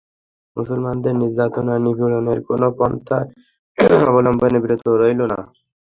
মুসলমানদের নির্যাতন আর নিপীড়নের কোন পন্থা অবলম্বনে বিরত রইল না।